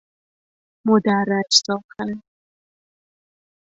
مدرج ساختن